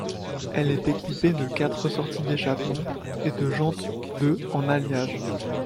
Elle est équipée de quatre sorties d’échappement et de jantes de en alliage.